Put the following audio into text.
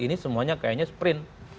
ini semuanya kayaknya sprint